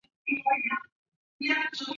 希汶是学生时代就在一起的好闺蜜。